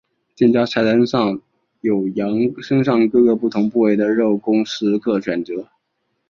店家菜单上有羊身上各个不同的部位的肉供食客选择。